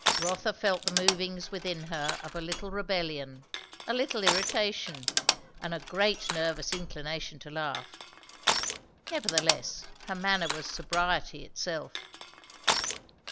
Rotha felt the movings within her of a little rebellion, a little irritation, and a great nervous inclination to laugh; nevertheless her manner was sobriety itself.